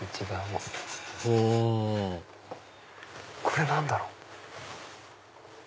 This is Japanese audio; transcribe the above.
ほうこれ何だろう？